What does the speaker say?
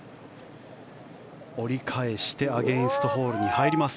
折り返してアゲンストホールに入ります。